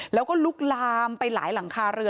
แล้วก็ลุกลามไปหลายหลังคาเรือ